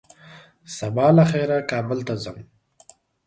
سبا له خيره کابل ته ځم